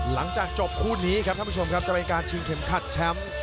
หลังจากจบคู่นี้ครับท่านผู้ชมครับจะเป็นการชิงเข็มขัดแชมป์